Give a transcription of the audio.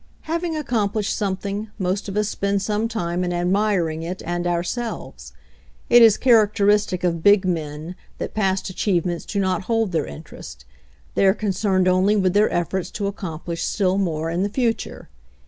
Having accomplished something, most of us spend some time in ad miring it and ourselves. It is characteristic of big men that past achievements do not hold their interest; they are concerned only with their ef forts to accomplish still more in the future.